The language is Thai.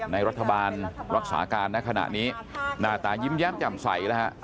ในรัฐบาลรักษาการณขณะนี้หน้าตายิ้มแย้มแจ่มใสแล้วฮะ